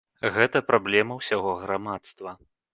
Гэта праблема ўсяго грамадства.